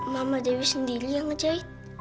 mama dewi sendiri yang ngecei